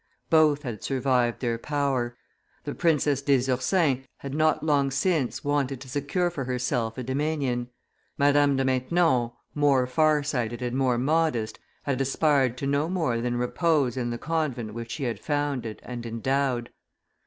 Both had survived their power; the Princess des Ursins had not long since wanted to secure for herself a dominion; Madame de Maintenon, more far sighted and more modest, had aspired to no more than repose in the convent which she had founded and endowed.